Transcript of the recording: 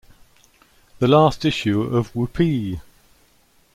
The last issue of Whoopee!